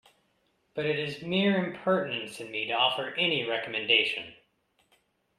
But it is mere impertinence in me to offer any recommendation.